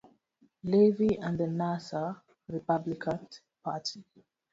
Levy, and the Nassau Republican Party.